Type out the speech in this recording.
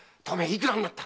いくらになった？